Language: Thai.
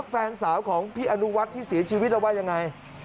แฟนสาวของพี่อนุวัฒน์ที่เสียชีวิตแล้วว่ายังไง